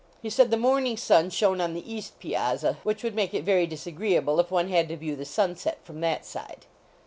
He said the morning sun shone on the east piazza, which would make it very disagreeable if one had to view the sunset from that side.